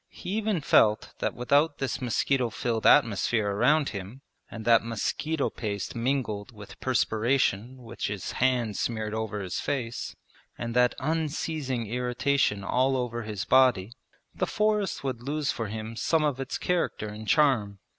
He even felt that without this mosquito filled atmosphere around him, and that mosquito paste mingled with perspiration which his hand smeared over his face, and that unceasing irritation all over his body, the forest would lose for him some of its character and charm.